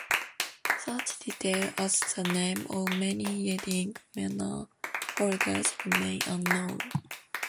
Such details as the names of many Yeading manor holders remain unknown.